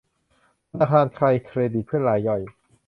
ธนาคารไทยเครดิตเพื่อรายย่อย